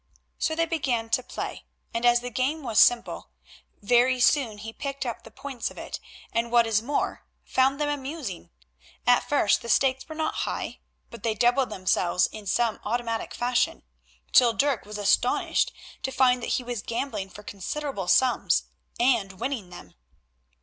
So they began to play, and as the game was simple very soon he picked up the points of it, and what is more, found them amusing. At first the stakes were not high, but they doubled themselves in some automatic fashion, till Dirk was astonished to find that he was gambling for considerable sums and winning them.